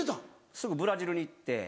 すぐブラジルに行って。